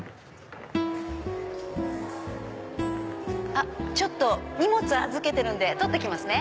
あっ荷物預けてるんで取ってきますね。